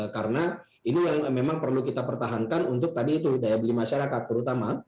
karena ini memang yang perlu kita pertahankan untuk tadi itu daya beli masyarakat terutama